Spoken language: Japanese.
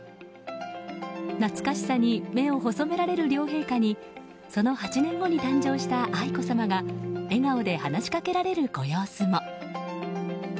懐かしさに目を細められる両陛下にその８年後に誕生した愛子さまが笑顔で話しかけられるご様子も。